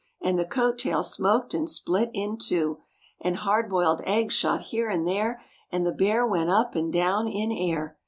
And the coat tail smoked and split in two, And hard boiled eggs shot here and there And the Bear went up and down in air.